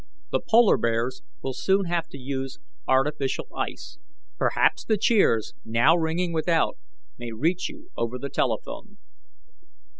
The polar bears will soon have to use artificial ice. Perhaps the cheers now ringing without may reach you over the telephone.'"